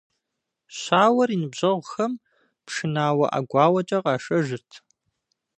Щауэр и ныбжьэгъухэм пшынауэ, ӀэгуауэкӀэ къашэжырт.